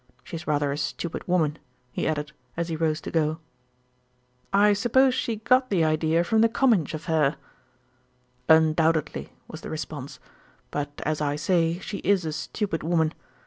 She is rather a stupid woman," he added, as he rose to go. "I suppose she got the idea from the Comminge affair?" "Undoubtedly," was the response; "but as I say, she is a stupid woman.